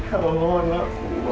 ya allah anakku